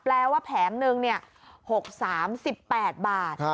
แปลว่าแผงนึงเนี่ย๖๓๘บาท